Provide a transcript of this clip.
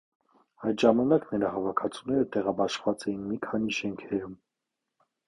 Այդ ժամանակ նրա հավաքածուները տեղաբաշխված էին մի քանի շենքերում։